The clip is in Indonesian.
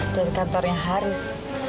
dari kantornya haris